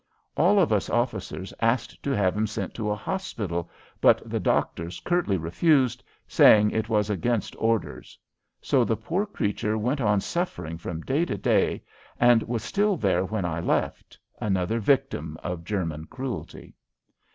All of us officers asked to have him sent to a hospital, but the doctors curtly refused, saying it was against orders. So the poor creature went on suffering from day to day and was still there when I left, another victim of German cruelty.